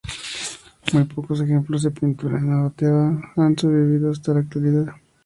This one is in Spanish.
Muy pocos ejemplos de pintura nabatea han sobrevivido hasta la actualidad.